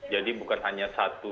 jadi bukan hanya satu